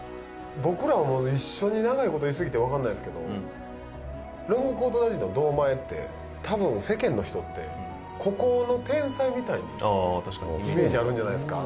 僕らはもうね一緒に長いこといすぎてわかんないっすけどロングコートダディの堂前って多分世間の人って孤高の天才みたいにイメージあるんじゃないっすか？